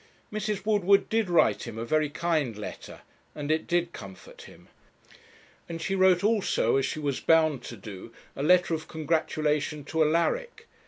Mrs. Woodward did write him a very kind letter, and it did comfort him. And she wrote also, as she was bound to do, a letter of congratulation to Alaric.